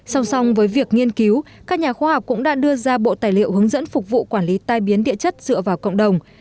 song song với việc nghiên cứu các nhà khoa học cũng đã đưa ra bộ tài liệu hướng dẫn phục vụ quản lý tai biến địa chất dựa vào cộng đồng